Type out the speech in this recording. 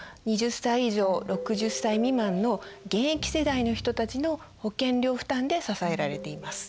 ２０歳以上６０歳未満の現役世代の人たちの保険料負担で支えられています。